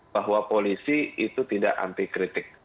bahwa polisi itu tidak anti kritik